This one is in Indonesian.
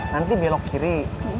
nanti belok kiri